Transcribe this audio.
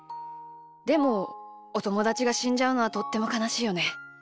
でもおともだちがしんじゃうのはとってもかなしいよね。